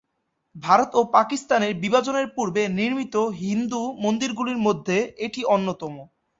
ভারত ও পাকিস্তানের বিভাজনের পূর্বে নির্মিত হিন্দু মন্দিরগুলির মধ্যে এটি অন্যতম।